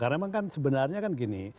karena memang kan sebenarnya kan gini